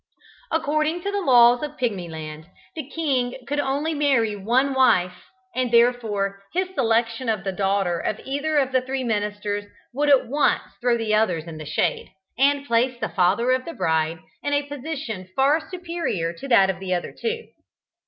According to the laws of Pigmyland, the king could only marry one wife, and therefore his selection of the daughter of either of the three ministers would at once throw the others in the shade, and place the father of the bride in a position far superior to that of the other two.